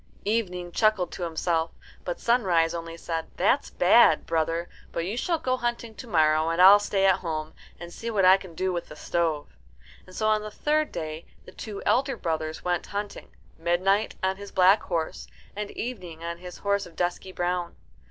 Evening chuckled to himself, but Sunrise only said, "That's bad, brother; but you shall go hunting to morrow, and I'll stay at home, and see what I can do with the stove." And so on the third day the two elder brothers went hunting Midnight on his black horse, and Evening on his horse of dusky brown.